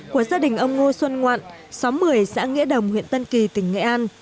của gia đình ông ngô xuân ngoạn xóm một mươi xã nghĩa đồng huyện tân kỳ tỉnh nghệ an